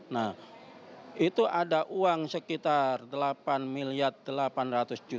nah itu ada uang sekitar rp delapan delapan ratus